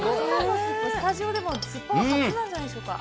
スタジオでも、スッポンは初なんじゃないでしょうか。